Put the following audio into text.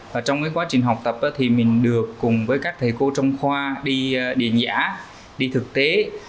và trong cái quá trình học tập thì mình được cùng với các thầy cô trong khoa đi điện giả đi thực tế